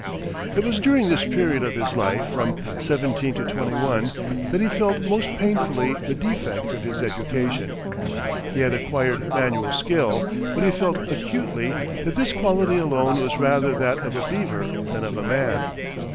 It was during this period of his life, from seventeen to twenty one, that he felt most painfully the defects of his education. He had acquired manual skill, but he felt acutely that this quality alone was rather that of a beaver than of a man.